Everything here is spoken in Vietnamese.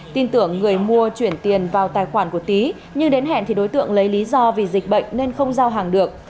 tin tưởng người mua chuyển tiền vào tài khoản của tý nhưng đến hẹn thì đối tượng lấy lý do vì dịch bệnh nên không giao hàng được